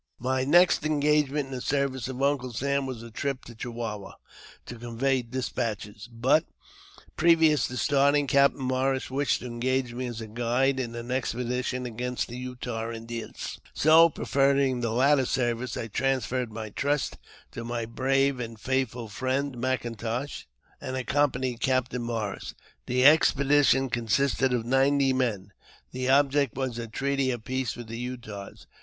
My next engagement in the service of Uncle Sam was a trip to Chihuahua to convey despatches ; but, previous to starting, Captain Morris wished to engage me as guide in an expedition against the Utah Indians ; so, preferring the latter service, I transferred my trust to my brave and faithful friend, M'Intosh, and accompanied Captain Morris. The expedition consisted of ninety men : the object was a treaty of peace with the Utahs.